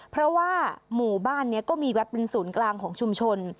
เพราะว่าหมู่บ้านนี้ก็มีวัดเป็นศูนย์กลางของชุมชน